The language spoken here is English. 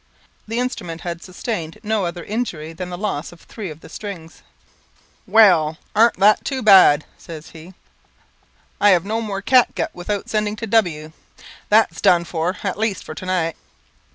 The instrument had sustained no other injury than the loss of three of the strings. "Well, arn't that too bad?" says he. "I have no more catgut without sending to W . That's done for, at least for to night."